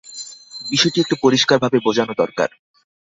বিষয়টি একটু পরিষ্কারভাবে বোঝানো দরকার।